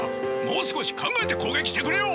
もう少し考えて攻撃してくれよ！